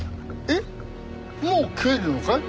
えっもう帰るのかい？